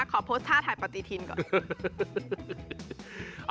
ขอโพสต์ท่าถ่ายปฏิทินก่อน